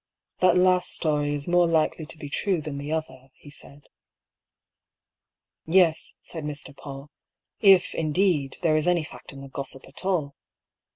" That last story is more likely to be true than the other," he said. " Yes," said Mr. Paull ;" if, indeed, there is any fact in the gossip at all.